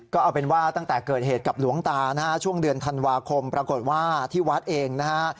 ก็เอาเป็นว่าตั้งแต่เกิดเหตุกับหลวงตานะฮะช่วงเดือนธันวาคมปรากฏว่าที่วัดเองนะฮะ